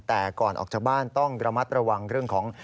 แต่ก่อนออกจากบ้านต้องระมัดระวังเรื่องของ